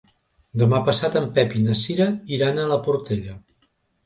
Demà passat en Pep i na Cira iran a la Portella.